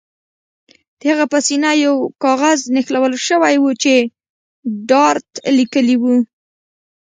د هغه په سینه یو کاغذ نښلول شوی و چې ډارت لیکلي وو